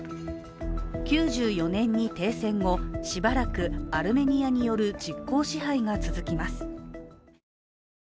９４年に停戦後、しばらくアルメニアによる実効支配が続きます。